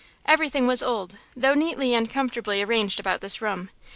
Everything was old, though neatly and comfortably arranged about this room.